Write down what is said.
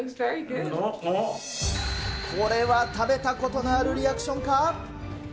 これは、食べたことのあるリアクションか？